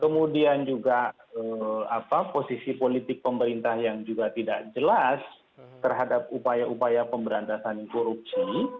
kemudian juga posisi politik pemerintah yang juga tidak jelas terhadap upaya upaya pemberantasan korupsi